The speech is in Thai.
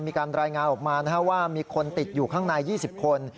มีการรายงานออกมาว่ามีคนติดอยู่ข้างใน๒๐คน